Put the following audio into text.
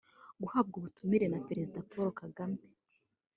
Guhabwa ubutumire na Perezida Paul Kagame